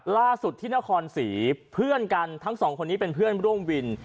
ล่าสุดที่นครศรีเพื่อนกันทั้งสองคนนี้เป็นเพื่อนร่วมวิน